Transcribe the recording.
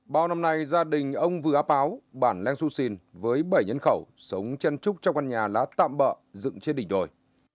bao năm nay gia đình ông vừa áp áo bản lenxu xin với bảy nhân khẩu sống chân trúc trong căn nhà lá tạm bợ dựng trên đỉnh đồi